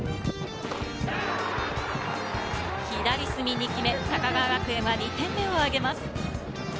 左隅に決め、高川学園は２点目を挙げます。